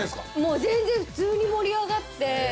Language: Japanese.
全然普通に盛り上がって。